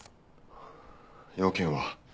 用件は？